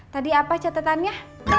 tadi apa catetannya